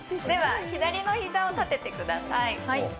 では、左の膝を立ててください。